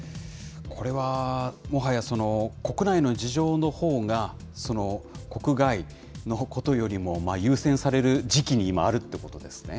これはもはや、国内の事情のほうが、その国外のことよりも優先される時期に今、あるってことですね。